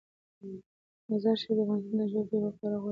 مزارشریف د افغانستان د جغرافیې یوه خورا غوره او لوړه بېلګه ده.